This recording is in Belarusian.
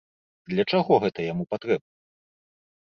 Для чаго гэта яму патрэбна?